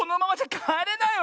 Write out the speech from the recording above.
かえれない？